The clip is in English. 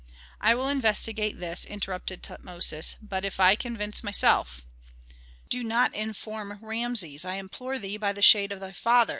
"I will investigate this," interrupted Tutmosis, "but if I convince myself " "Do not inform Rameses I implore thee by the shade of thy father!"